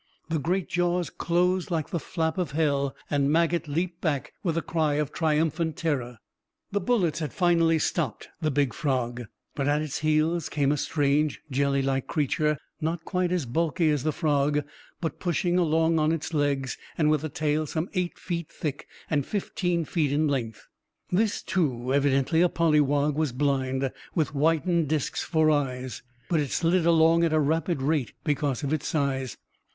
The great jaws closed like the flap of hell, and Maget leaped back with a cry of triumphant terror. The bullets had finally stopped the big frog, but at its heels came a strange, jellylike creature, not quite as bulky as the frog, but pushing along on its legs and with a tail some eight feet thick and fifteen feet in length. This, too, evidently a polywog, was blind, with whitened discs for eyes, but it slid along at a rapid rate because of its size.